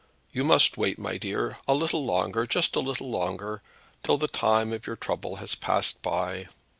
"You must wait, my dear, a little longer, just a little longer, till the time of your trouble has passed by."